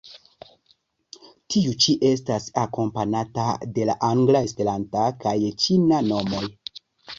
Tiu ĉi estas akompanata de la angla, Esperanta kaj ĉina nomoj.